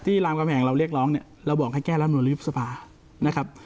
รามกำแหงเราเรียกร้องเนี่ยเราบอกให้แก้รำนวนยุบสภานะครับ